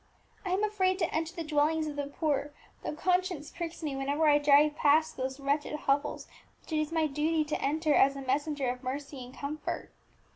I am afraid to enter the dwellings of the poor, though conscience pricks me whenever I drive past those wretched hovels which it is my duty to enter as a messenger of mercy and comfort.